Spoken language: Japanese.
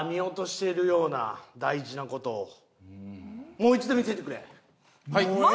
もう一度見せてくれ。